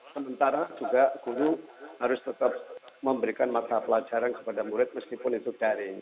sementara juga guru harus tetap memberikan mata pelajaran kepada murid meskipun itu daring